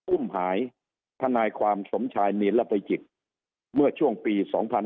อุ่มหายท่านนายความสมชายนิรัติกิจเมื่อช่วงปี๒๑๔๘